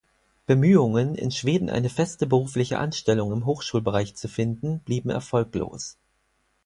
Bemühungen, in Schweden eine feste berufliche Anstellung im Hochschulbereich zu finden, blieben erfolglos.